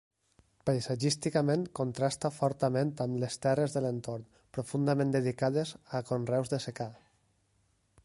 Paisatgísticament, contrasta fortament amb les terres de l’entorn, profundament dedicades a conreus de secà.